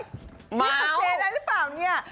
เจมนต์ศิษย์ได้หรือเปล่าเนี่ย